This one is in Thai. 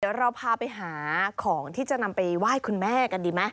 เดี๋ยวเราพาไปหาของที่จะนำไปไหว้คุณแม่กันดีไหม